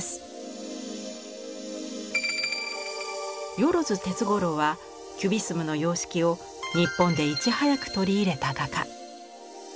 萬鉄五郎はキュビスムの様式を日本でいち早く取り入れた画家。